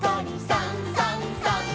「さんさんさん」